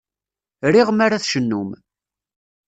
Riɣ mi ara tcennum.